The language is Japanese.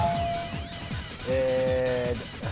え。